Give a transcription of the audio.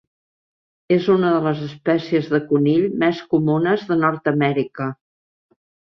És una de les espècies de conill més comunes de Nord-amèrica.